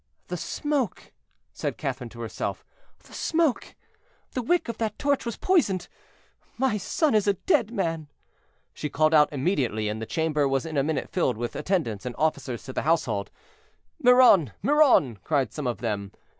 "The smoke," said Catherine to herself; "the smoke! the wick of that torch was poisoned; my son is a dead man." She called out immediately, and the chamber was in a minute filled with attendants and officers of the household. "Miron, Miron!" cried some of them.